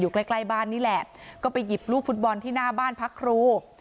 ใกล้ใกล้บ้านนี่แหละก็ไปหยิบลูกฟุตบอลที่หน้าบ้านพักครู